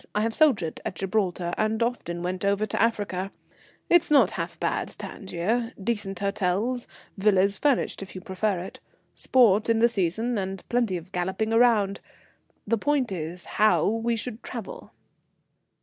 I have soldiered at Gibraltar and often went over to Africa. It's not half bad, Tangier, decent hotels, villas furnished if you prefer it. Sport in the season, and plenty of galloping ground. The point is, how we should travel?"